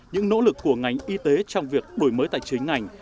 những nỗ lực của ngành y tế trong việc đổi mới tài chính ngành